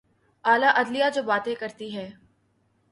اعلی عدلیہ جو باتیں کرتی ہے۔